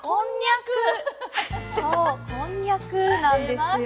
そうこんにゃくなんですよ。